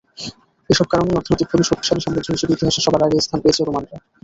এসব কারণেই অর্থনৈতিকভাবে শক্তিশালী সাম্রাজ্য হিসেবে ইতিহাসের সবার আগে স্থান পেয়েছে রোমানরা।